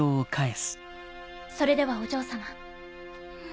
それではお嬢様。